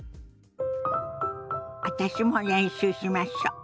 私も練習しましょ。